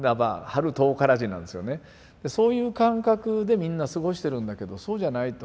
そういう感覚でみんな過ごしてるんだけどそうじゃないと。